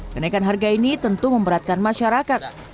kenaikan harga ini tentu memberatkan masyarakat